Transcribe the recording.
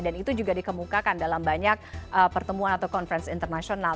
dan itu juga dikemukakan dalam banyak pertemuan atau konferensi internasional